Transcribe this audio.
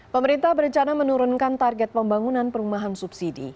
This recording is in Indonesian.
pemerintah berencana menurunkan target pembangunan perumahan subsidi